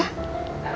terima kasih tante